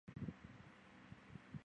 山蓼为蓼科山蓼属下的一个种。